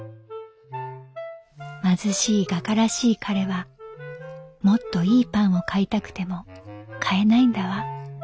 「貧しい画家らしい彼はもっといいパンを買いたくても買えないんだわ。